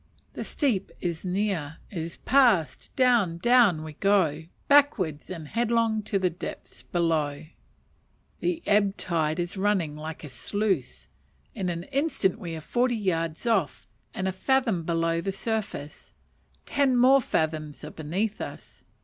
The steep is near is passed! down, down, we go! backwards, and headlong to the depths below! The ebb tide is running like a sluice; in an instant we are forty yards off, and a fathom below the surface; ten more fathoms are beneath us.